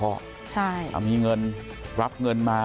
เอามีเงินรับเงินมา